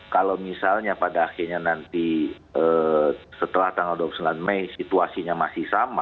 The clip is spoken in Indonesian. kalau misalnya pada akhirnya nanti setelah tanggal dua puluh sembilan mei situasinya masih sama